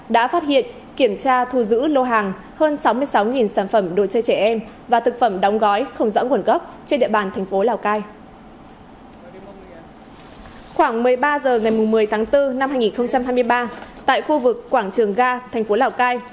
đã phát hiện kiểm tra thu giữ lô hàng hơn sáu mươi sáu sản phẩm đồ chơi trẻ em và thực phẩm đóng gói không dõng quần gốc trên địa bàn thành phố lào cai